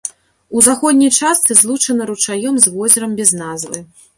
У заходняй частцы злучана ручаём з возерам без назвы.